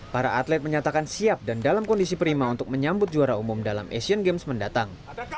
para atlet menyatakan siap dan dalam kondisi prima untuk menyambut juara umum dalam asian games mendatang